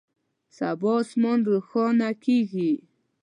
سبا اسمان روښانه کیږي